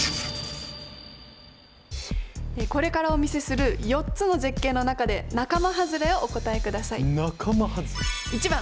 これからお見せする４つの絶景の中で仲間はずれをお答えください。